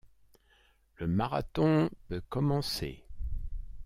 Le marathon peut commencer...